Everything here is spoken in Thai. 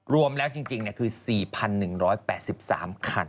รวมแล้วจริงคือ๔๑๘๓คัน